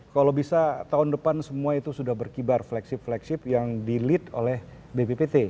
kalau bisa tahun depan semua itu sudah berkibar flagship flagship yang di lead oleh bppt